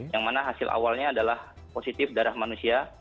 yang mana hasil awalnya adalah positif darah manusia